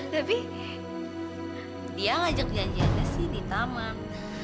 tapi dia ngajak janjiannya sih di taman